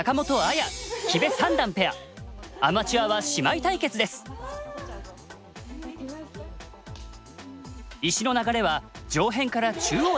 アマチュアは石の流れは上辺から中央へ。